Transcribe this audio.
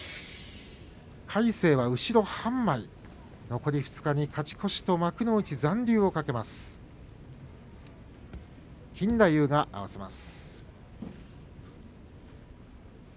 魁聖は後ろ半枚、残り２日に勝ち越しと幕内残留を懸けます。